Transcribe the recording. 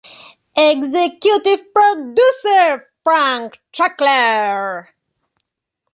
Executive Producer: Frank Chackler.